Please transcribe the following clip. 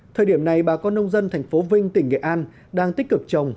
thời điểm này bà con nông dân thành phố vinh tỉnh nghệ an đang tích cực trồng